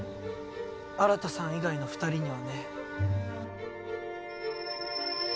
新さん以外の２人にはね。